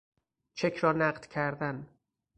چک را نقد کردن